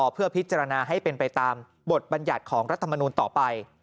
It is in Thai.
เพื่อพิจารณาให้เป็นไปตามบทบัญญัติของรัฐมนูลต่อไป